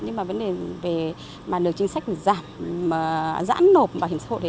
nhưng mà vấn đề về nửa chính sách giảm giãn nộp bảo hiểm xã hội